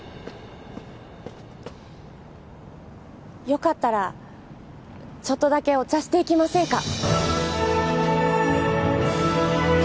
よかったらちょっとだけお茶していきませんか？